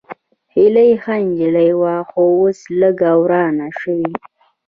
هېلۍ ښه نجلۍ وه، خو اوس لږ ورانه شوې